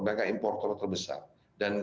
bahkan importer terbesar dan